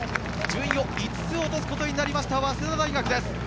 順位を５つ落とすことになった早稲田大学です。